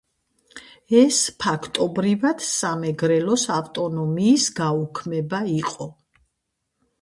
ეს ფაქტობრივად სამეგრელოს ავტონომიის გაუქმება იყო.